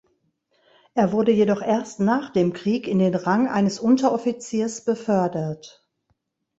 Er wurde jedoch erst nach dem Krieg in den Rang eines Unteroffiziers befördert.